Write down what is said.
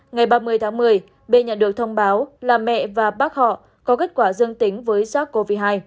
ngày ba mươi tháng một mươi b nhận được thông báo là mẹ và bác họ có kết quả dương tính với sars cov hai